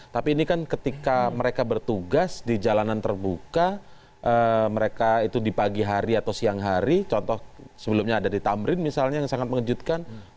tapi ini kan ketika mereka bertugas di jalanan terbuka mereka itu di pagi hari atau siang hari contoh sebelumnya ada di tamrin misalnya yang sangat mengejutkan